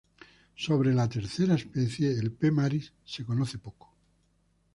Sobre la tercera especie, el "P. maris", se conoce poco.